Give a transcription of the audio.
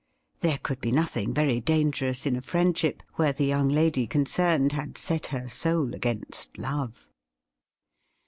There could be nothing very dangerous in a friendship where the young lady concerned had set her soul against love.